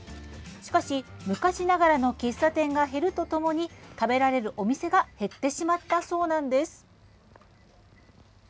しかし、昔ながらの喫茶店が減るとともに食べられるお店が減ってしまったそうなんです。